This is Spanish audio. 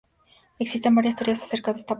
Existen varias teorías acerca de esta práctica.